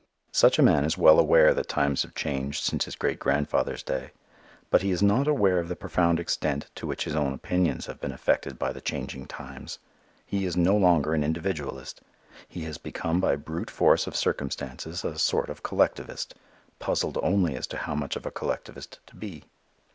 Such a man is well aware that times have changed since his great grandfather's day. But he is not aware of the profound extent to which his own opinions have been affected by the changing times. He is no longer an individualist. He has become by brute force of circumstances a sort of collectivist, puzzled only as to how much of a collectivist to be.